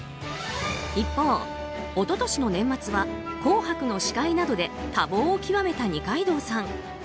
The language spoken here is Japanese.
一方、一昨年の年末は「紅白」の司会などで多忙を極めた二階堂さん。